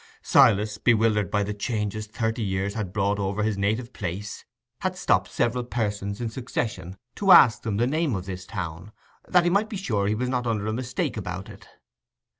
Silas, bewildered by the changes thirty years had brought over his native place, had stopped several persons in succession to ask them the name of this town, that he might be sure he was not under a mistake about it.